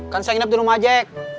kan saya nginap di rumah jack